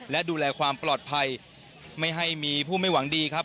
และดูแลความปลอดภัยไม่ให้มีผู้ไม่หวังดีครับ